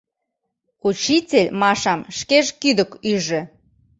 — Учитель Машам шкеж кӱдык ӱжӧ.